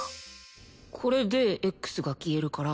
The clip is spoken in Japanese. これでＸが消えるから。